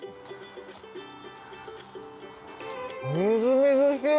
みずみずしい！